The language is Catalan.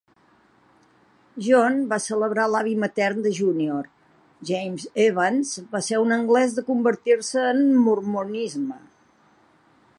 John va celebrar l'avi matern de Jr., James Evans, va ser un anglès de convertir-se en mormonisme.